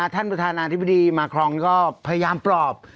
ท่านประธานาธิบดีมาครองก็พยายามปลอบ